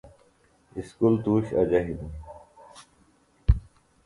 اسکول توُش اجہ ہِنیۡ ـ